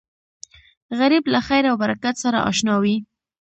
غریب له خیر او برکت سره اشنا وي